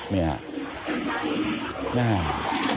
นี่ครับ